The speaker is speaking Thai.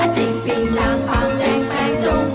อาจิงปิงจังปังแจงแปงจงโฟง